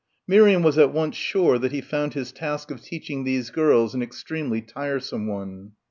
Miriam was at once sure that he found his task of teaching these girls an extremely tiresome one.